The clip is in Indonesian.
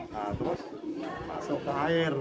nah terus masuk ke air